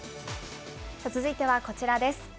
続いてはこちらです。